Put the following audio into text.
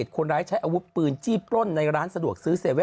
ขอบคุณมาก